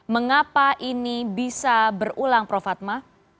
mengapa ini bisa berulang prof fatma